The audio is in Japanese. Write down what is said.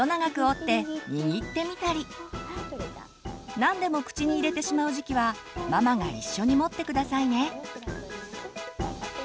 何でも口に入れてしまう時期はママが一緒に持って下さいね。